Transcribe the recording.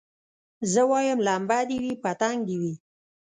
زه وايم لمبه دي وي پتنګ دي وي